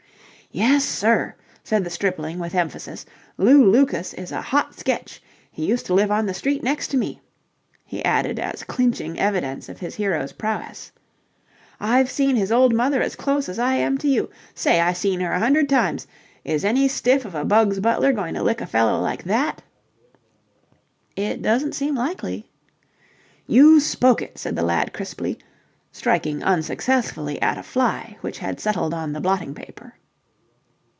"Yes, sir!" said the stripling with emphasis. "Lew Lucas is a hot sketch. He used to live on the next street to me," he added as clinching evidence of his hero's prowess. "I've seen his old mother as close as I am to you. Say, I seen her a hundred times. Is any stiff of a Bugs Butler going to lick a fellow like that?" "It doesn't seem likely." "You spoke it!" said the lad crisply, striking unsuccessfully at a fly which had settled on the blotting paper.